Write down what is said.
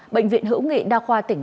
bệnh viện hữu nghị đa khoa tp vinh